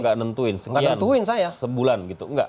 jadi bapak nggak nentuin sekian sebulan gitu nggak